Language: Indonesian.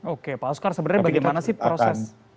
oke pak oscar sebenarnya bagaimana sih proses